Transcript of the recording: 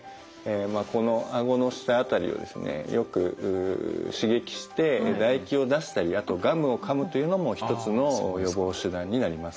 このあごの下あたりをですねよく刺激して唾液を出したりあとガムをかむというのも一つの予防手段になります。